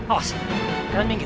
awas dalam minggir